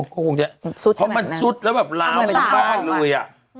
ก็คงจะพอมันซุดแล้วแบบล้าวตากล้างเลย